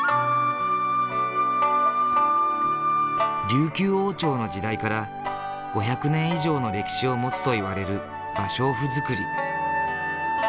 琉球王朝の時代から５００年以上の歴史を持つといわれる芭蕉布作り。